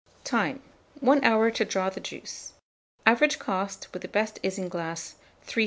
Time. 1 hour to draw the juice. Average cost, with the best isinglass, 3s.